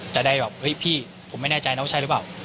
จะได้แบบเฮ้ยพี่ผมไม่แน่ใจน้องใช่หรือเปล่า